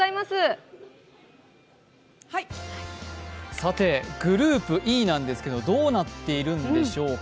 さて、グループＥなんですけどどうなっているんでしょうか